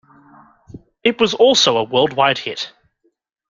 It was also a worldwide hit.